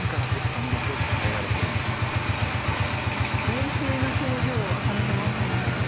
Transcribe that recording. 冷静な表情をされてますね。